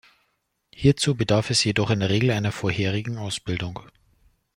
Hierzu bedarf es jedoch in der Regel einer vorherigen Ausbildung.